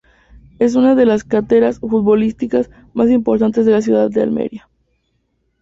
Es una de las canteras futbolísticas más importantes de la ciudad de Almería.